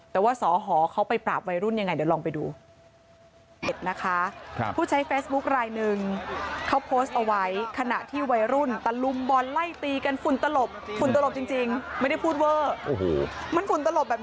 แต่ว่าสอหอเขาไปปราบวัยรุ่นยังไงเดี๋ยวลองไปดู